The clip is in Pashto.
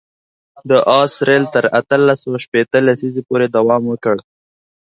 د آس رېل تر اتلس سوه شپېته لسیزې پورې دوام وکړ.